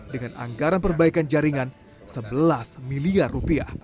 dengan anggaran perbaikan jaringan rp sebelas miliar